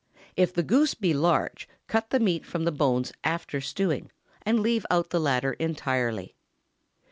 If the goose be large, cut the meat from the bones after stewing, and leave out the latter entirely.